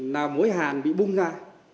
là mối hàn bị bung ra